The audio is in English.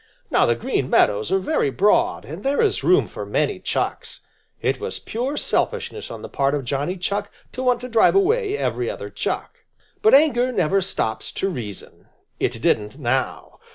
Now the Green Meadows are very broad, and there is room for many Chucks. It was pure selfishness on the part of Johnny Chuck to want to drive away every other Chuck. But anger never stops to reason. It didn't now.